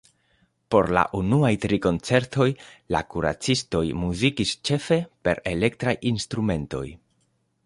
Por la unuaj tri koncertoj, la Kuracistoj muzikis ĉefe per elektraj instrumentoj.